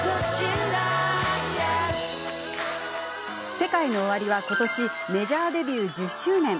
ＳＥＫＡＩＮＯＯＷＡＲＩはことしメジャーデビュー１０周年。